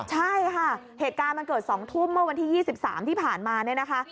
ใช่ค่ะเหตุการณ์มันเกิด๒ทุ่มเมื่อวันที่๒๓ที่ผ่านมาเนี่ยนะคะ